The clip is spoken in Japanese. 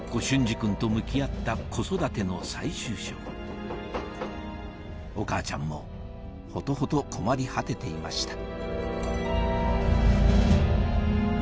隼司君と向き合った子育ての最終章お母ちゃんもほとほと困り果てていました